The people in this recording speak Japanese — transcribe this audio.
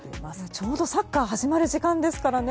ちょうどサッカーが始まる時間ですからね。